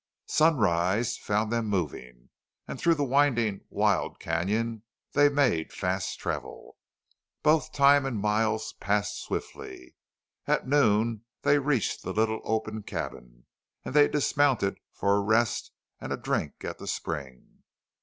Sunrise found them moving, and through the winding, wild canon they made fast travel. Both time and miles passed swiftly. At noon they reached the little open cabin, and they dismounted for a rest and a drink at the spring.